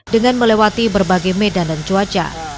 dengan melewati berbagai medan dan cuaca